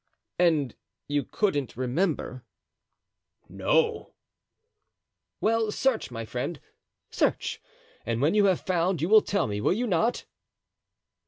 "And you couldn't remember?" "No." "Well, search, my friend, search; and when you have found, you will tell me, will you not?"